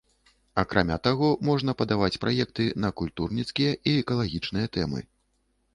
Акрамя таго, можна падаваць праекты на культурніцкія і экалагічныя тэмы.